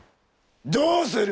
どうする？